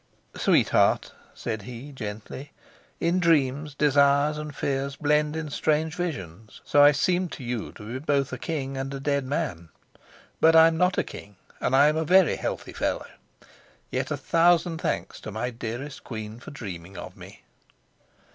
"Sweetheart," said he gently, "in dreams desires and fears blend in strange visions, so I seemed to you to be both a king and a dead man; but I'm not a king, and I am a very healthy fellow. Yet a thousand thanks to my dearest queen for dreaming of me."